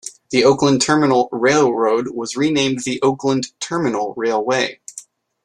The Oakland Terminal Railroad was renamed the Oakland Terminal Railway.